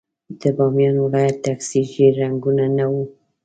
د بامیان ولايت ټکسي ژېړ رنګونه نه وو.